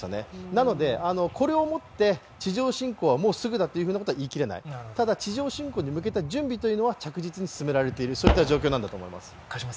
なので、これをもって地上侵攻はもうすぐだということは言い切れない、ただ地上侵攻に向けた準備は着実に進められている、そういった状況なんだろうと思います。